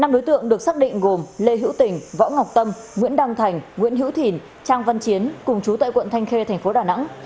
năm đối tượng được xác định gồm lê hữu tình võ ngọc tâm nguyễn đăng thành nguyễn hữu thìn trang văn chiến cùng chú tại quận thanh khê thành phố đà nẵng